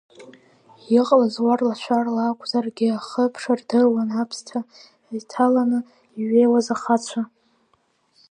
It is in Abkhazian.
Иҟалаз уарла-шәарла акәзаргьы ахыԥша рдыруан аԥсҭа иҭаланы иҩеиуаз ахацәа.